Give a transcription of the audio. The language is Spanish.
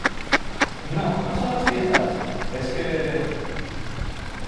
no, no son las fiestas , es que...